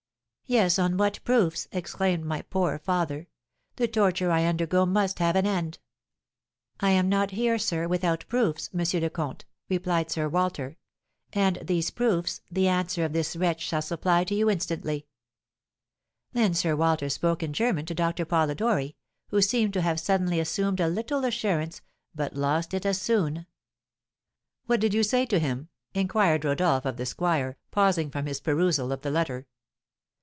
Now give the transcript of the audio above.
"'Yes, on what proofs?' exclaimed my poor father; 'the torture I undergo must have an end.' "'I am not here, sir, without proofs, M. le Comte,' replied Sir Walter; 'and these proofs, the answer of this wretch shall supply to you instantly.' Then Sir Walter spoke in German to Doctor Polidori, who seemed to have suddenly assumed a little assurance, but lost it as soon." "What did you say to him?" inquired Rodolph of the squire, pausing from his perusal of the letter.